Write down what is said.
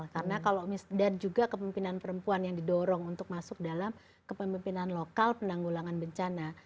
karena kalau misalnya dan juga kepemimpinan perempuan yang didorong untuk masuk dalam kepemimpinan lokal penanggulangan bencana